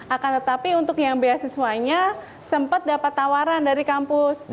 akan tetapi untuk yang beasiswanya sempat dapat tawaran dari kampus